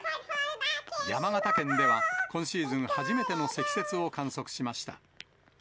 山形県では今シーズン初めての積雪を観測しました。